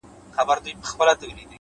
هر منزل د نوې پوهې سرچینه وي،